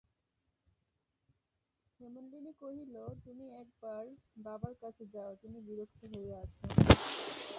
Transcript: হেমনলিনী কহিল, তুমি এক বার বাবার কাছে যাও, তিনি বিরক্ত হইয়া আছেন।